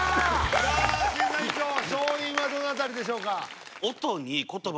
さあ審査委員長勝因はどのあたりでしょうか？